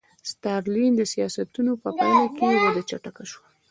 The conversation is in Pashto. د ستالین د سیاستونو په پایله کې وده چټکه شوه